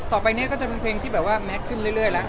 ต่อไปนี้ก็จะเป็นเพลงที่แบบว่าแมทขึ้นเรื่อยแล้ว